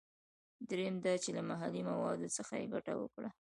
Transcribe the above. دریم دا چې له محلي موادو څخه یې ګټه وکړه.